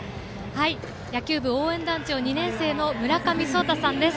野球部応援団長、２年生のむらかみそうたさんです。